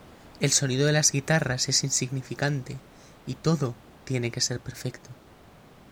El sonido de las guitarras es insignificante y todo tiene que ser perfecto.